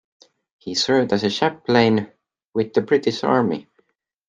He served as a chaplain with the British Army.